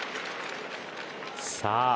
さあ